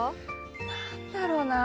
何だろうなあ。